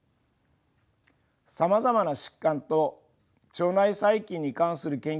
さまざまな疾患と腸内細菌に関する研究が実施されています。